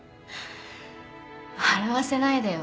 笑わせないでよ。